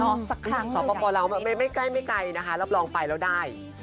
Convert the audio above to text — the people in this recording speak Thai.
รอสักครั้งสอบประป๋อเราไม่ใกล้นะคะรับรองไปแล้วได้